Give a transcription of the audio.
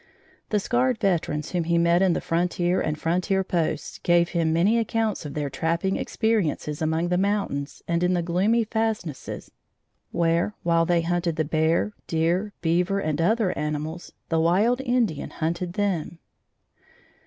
The scarred veterans whom he met in the frontier and frontier posts gave him many accounts of their trapping experiences among the mountains and in the gloomy fastnesses where, while they hunted the bear, deer, beaver and other animals, the wild Indian hunted them.